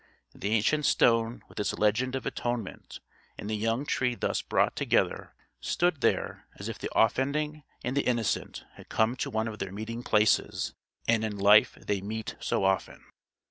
The ancient stone with its legend of atonement and the young tree thus brought together stood there as if the offending and the innocent had come to one of their meeting places and in life they meet so often.